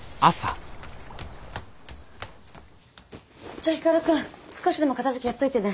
じゃあ光くん少しでも片づけやっといてね。